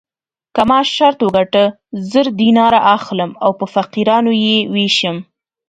که ما شرط وګټه زر دیناره اخلم او په فقیرانو یې وېشم.